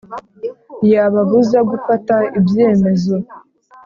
yababuza gufata ibyemezo